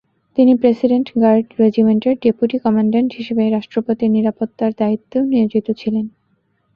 তিনি president guard রেজিমেন্টের deputy commandant হিসেবে রাষ্ট্রপতির নিরাপত্তার দায়িত্বেও নিয়োজিত ছিলেন।